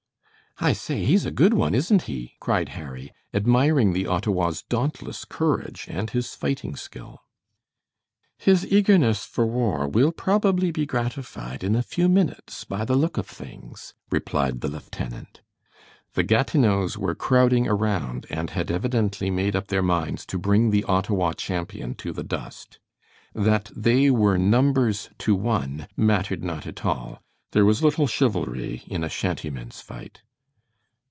"I say, he's a good one, isn't he?" cried Harry, admiring the Ottawa's dauntless courage and his fighting skill. "His eagerness for war will probably be gratified in a few minutes, by the look of things," replied the lieutenant. The Gatineaus were crowding around, and had evidently made up their minds to bring the Ottawa champion to the dust. That they were numbers to one mattered not at all. There was little chivalry in a shantymen's fight.